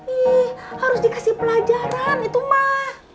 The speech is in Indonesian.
ih harus dikasih pelajaran itu mah